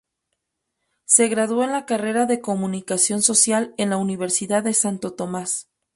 Se graduó en la carrera de comunicación social en la Universidad de Santo Tomás.